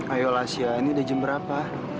ayo lasya ini udah jam berapa